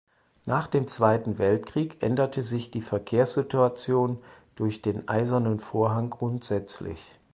Nach dem Zweiten Weltkrieg änderte sich die Verkehrssituation durch den Eisernen Vorhang grundsätzlich.